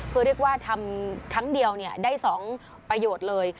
คือเรียกว่าทำครั้งเดียวได้๒ประโยชน์เลย